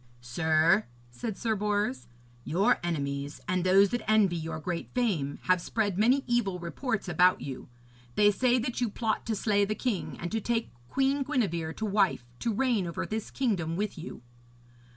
'Sir,' said Sir Bors, 'your enemies and those that envy your great fame have spread many evil reports about you. They say that you plot to slay the king and to take Queen Gwenevere to wife, to reign over this kingdom with you.'